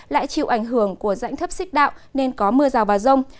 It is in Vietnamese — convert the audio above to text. lại chịu ảnh hưởng của rãnh thấp xích đạo nên có mưa rào và rông